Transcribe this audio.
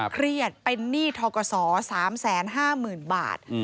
เครียดเป็นหนี้ทกศ๓๕๐๐๐บาท